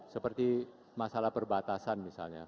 seperti masalah perbatasan misalnya